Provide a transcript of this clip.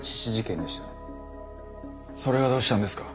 それがどうしたんですか。